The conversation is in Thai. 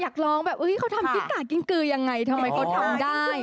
อยากร้องแบบเขาทำพิการกิ้งกือยังไงทำไมเขาทำได้